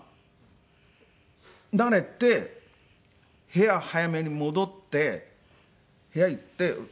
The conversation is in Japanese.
慣れて部屋早めに戻って部屋行って。